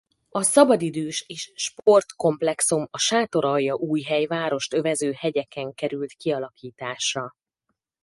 A szabadidős- és sportkomplexum a Sátoraljaújhely várost övező hegyeken került kialakításra.